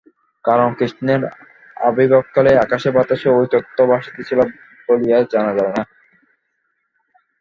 কারণ কৃষ্ণের আবির্ভাবকালে আকাশে বাতাসে ঐ তত্ত্ব ভাসিতেছিল বলিয়া জানা যায় না।